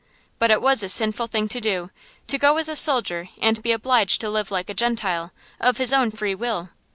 But it was a sinful thing to do, to go as a soldier and be obliged to live like a Gentile, of his own free will.